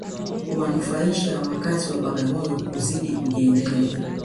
Huwanufaisha wakazi wa Bagamoyo kuzidi kujiendeleza